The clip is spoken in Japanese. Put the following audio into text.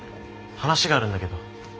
話があるんだけど。